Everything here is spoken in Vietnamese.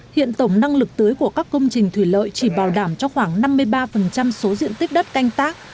hiện tổng năng lực tưới của các công trình thủy lợi chỉ bảo đảm cho khoảng năm mươi ba số diện tích đất canh tác